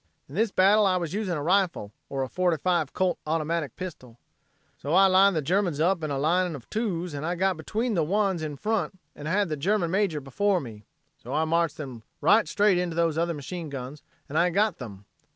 "In this battle I was using a rifle or a 45 Colt automatic pistol. "So I lined the Germans up in a line of twos and I got between the ones in front and I had the German major before me. So I marched them right straight into those other machine guns, and I got them.